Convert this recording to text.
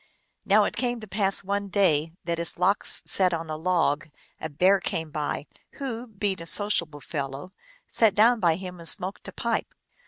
Now it came to pass one day that as Lox sat on a log a bear came by, who, being a sociable fellow, sat down by him and smoked a pipe.